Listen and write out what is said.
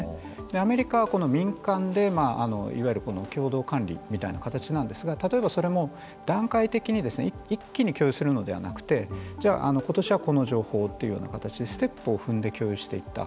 アメリカは、民間でいわゆる共同管理みたいな形なんですが例えばそれも、段階的に一気に共有するのではなくてじゃあ、今年はこの情報をというような形でステップを踏んで共有していった。